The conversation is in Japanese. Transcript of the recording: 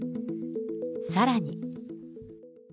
さらに。